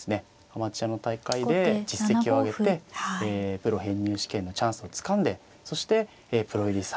アマチュアの大会で実績をあげてプロ編入試験のチャンスをつかんでそしてプロ入りされたと。